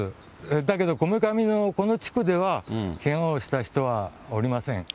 だけど米神のこの地区では、けがをした人はおりません。